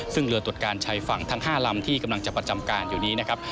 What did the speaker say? ซึ่งเรือตรวจการชายฝั่งทั้ง๕ลำที่กำลังจะประจำการอยู่นี้นะครับ